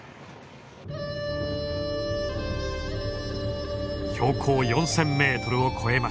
標高４，０００ｍを超えました。